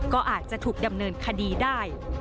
ก็อาจจะถูกดำเนินคดีได้